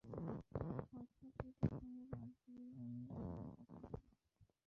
অর্থাৎ এ প্রসঙ্গ বাদ দিয়ে অন্য প্রসঙ্গে কথা বল।